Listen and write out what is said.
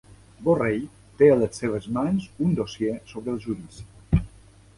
Borrell té a les seves mans un dossier sobre el judici